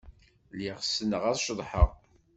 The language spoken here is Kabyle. Lliɣ ssneɣ ad ceḍḥeɣ.